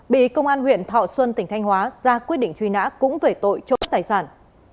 bị công an huyện thọ xuân tỉnh thanh hóa ra quyết định truy nã cũng về tội trộm tài sản